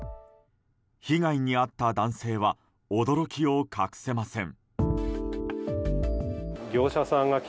被害に遭った男性は驚きを隠せません。